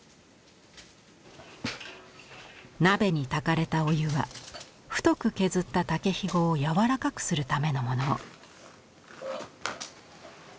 鍋にたかれたお湯は太く削った竹ひごを柔らかくするためのもの。